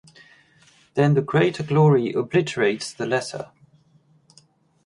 Then the greater glory obliterates the lesser.